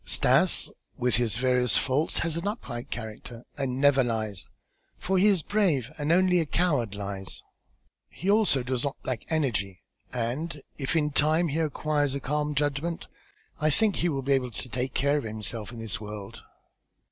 Stas with his various faults has an upright character and never lies, for he is brave, and only a coward lies. He also does not lack energy and if in time he acquires a calm judgment, I think he will be able to take care of himself in this world."